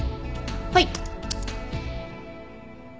はい。